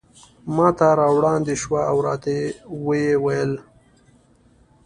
ماته را وړاندې شوه او راته ویې ویل.